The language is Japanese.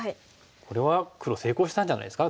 これは黒成功したんじゃないですか？